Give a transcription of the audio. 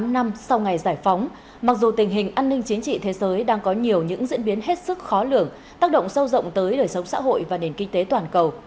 một mươi năm năm sau ngày giải phóng mặc dù tình hình an ninh chính trị thế giới đang có nhiều những diễn biến hết sức khó lường tác động sâu rộng tới đời sống xã hội và nền kinh tế toàn cầu